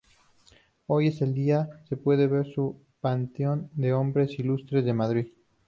Hoy en día se puede ver en el Panteón de Hombres Ilustres de Madrid.